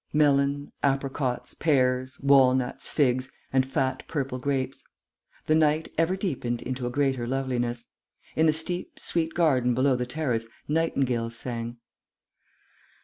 Melon, apricots, pears, walnuts, figs, and fat purple grapes. The night ever deepened into a greater loveliness. In the steep, sweet garden below the terrace nightingales sang.